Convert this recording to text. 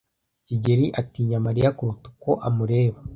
kigeli atinya Mariya kuruta uko amureba.